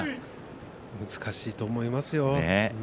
難しいと思いますよ。